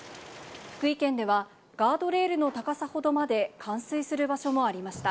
福井県では、ガードレールの高さほどまで冠水する場所もありました。